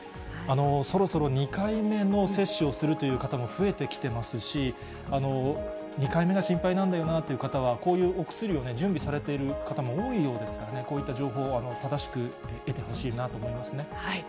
そろそろ２回目の接種をするという方も増えてきてますし、２回目が心配なんだよなという方は、こういうお薬を準備されている方も多いようですからね、こういった情報を正しく得てほしいなと思いますね。